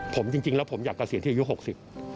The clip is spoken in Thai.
ผมจริงแล้วผมอยากเกษียณที่อายุหกสิบ